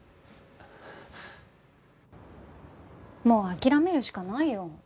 もう諦めるしかないよ。